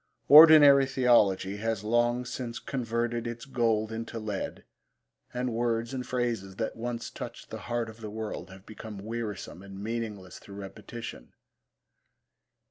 Ordinary theology has long since converted its gold into lead, and words and phrases that once touched the heart of the world have become wearisome and meaningless through repetition.